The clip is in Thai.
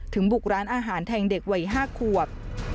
บุกร้านอาหารแทงเด็กวัย๕ขวบ